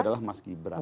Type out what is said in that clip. itu adalah mas gibran